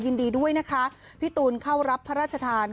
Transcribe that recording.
ยินดีด้วยนะคะพี่ตูนเข้ารับพระราชทาน